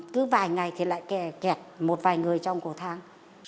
cứ vài ngày thì lại kẹt một vài người trong cầu thang